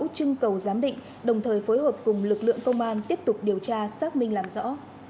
trưng cầu giám định đồng thời phối hợp cùng lực lượng công an tiếp tục điều tra xác minh làm rõ